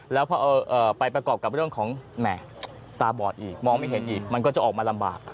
แล้วพอไปประกอบกับเรื่องของแหม่ตาบอดอีกมองไม่เห็นอีกมันก็จะออกมาลำบาก